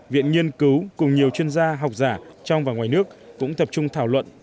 viện nghiên cứu cùng nhiều chuyên gia học giả trong và ngoài nước cũng tập trung thảo luận